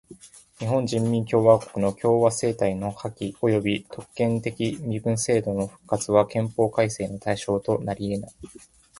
日本人民共和国の共和政体の破棄および特権的身分制度の復活は憲法改正の対象となりえない。